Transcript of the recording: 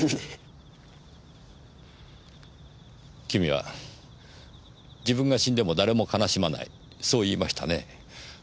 君は自分が死んでも誰も悲しまないそう言いましたね。